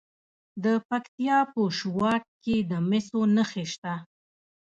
د پکتیا په شواک کې د مسو نښې شته.